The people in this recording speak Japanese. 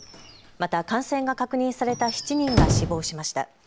また感染が確認された７人が死亡しました。